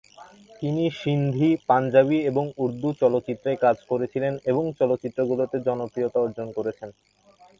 তিনি সিন্ধি, পাঞ্জাবি এবং উর্দু চলচ্চিত্রে কাজ করেছিলেন এবং চলচ্চিত্রগুলোতে জনপ্রিয়তা অর্জন করেছেন।